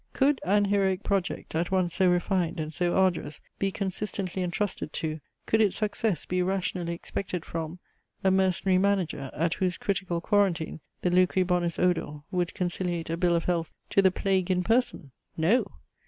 Could an heroic project, at once so refined and so arduous, be consistently entrusted to, could its success be rationally expected from, a mercenary manager, at whose critical quarantine the lucri bonus odor would conciliate a bill of health to the plague in person? No!